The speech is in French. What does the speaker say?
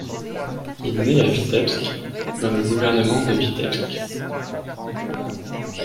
Il naît à Vitebsk dans le gouvernement de Vitebsk.